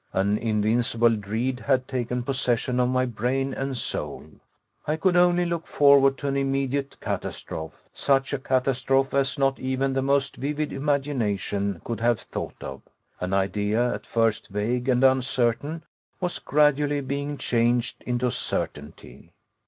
An invincible dread had taken possession of my brain and soul. I could only look forward to an immediate catastrophe, such a catastrophe as not even the most vivid imagination could have thought of. An idea, at first vague and uncertain, was gradually being changed into certainty.